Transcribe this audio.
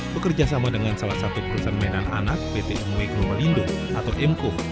bekerjasama dengan salah satu perusahaan mainan anak pt mui kno melindo atau emco